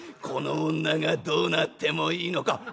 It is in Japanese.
『この女がどうなってもいいのか』。